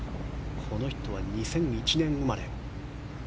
この人は２００１年生まれ。